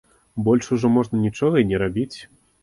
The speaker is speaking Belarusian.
Больш ужо можна нічога і не рабіць.